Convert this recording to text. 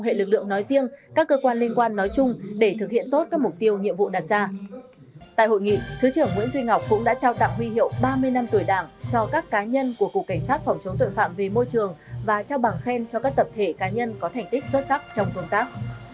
tại hội nghị thứ trưởng nguyễn duy ngọc cũng đã trao tặng huy hiệu ba mươi năm tuổi đảng cho các cá nhân của cục cảnh sát phòng chống tội phạm về môi trường và trao bằng khen cho các tập thể cá nhân có thành tích xuất sắc trong công tác